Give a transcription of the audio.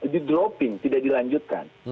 didropping tidak dilanjutkan